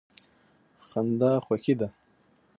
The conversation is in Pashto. خندا خوښي ده.